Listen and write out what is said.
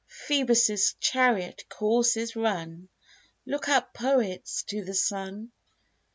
Phoebus' chariot course is run ! Look up, poets, to the sun